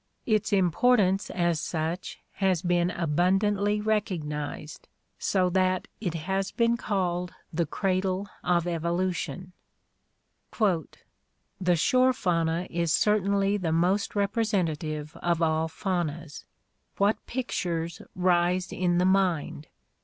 Its importance as such has been abundantly recognized, so that it has been called the "cradle of evolution." "The shore fauna is certainly the most representative of all faunas. What pictures rise in the mind!